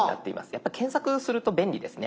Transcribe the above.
やっぱ検索すると便利ですね。